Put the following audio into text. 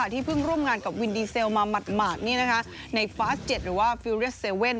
ที่เพิ่งร่วมงานกับวินดีเซลมาหมาดในฟาส๗หรือว่าฟิลเลสเว่น